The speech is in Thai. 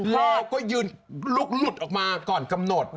พ่อก็ยืนลุกหลุดออกมาก่อนกำหนด